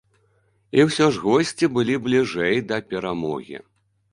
І ўсё ж госці былі бліжэй да перамогі.